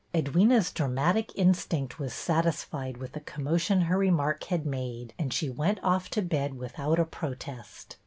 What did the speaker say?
Edwyna's dramatic instinct was satisfied with the commotion her remark had made and she went ofif to bed without a protest.